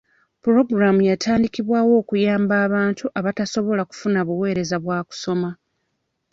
Puloogulaamu yatandikibwawo kuyamba bantu abatasobola kufuna buweereza bwa kusoma.